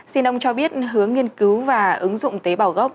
xin ông cho biết hướng nghiên cứu và ứng dụng tế bào gốc